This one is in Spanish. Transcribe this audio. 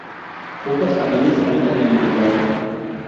Pocas familias habitan en el lugar.